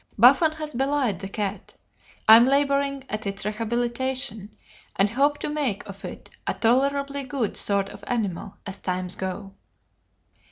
Buffon has belied the cat: I am laboring at its rehabilitation, and hope to make of it a tolerably good sort of animal, as times go."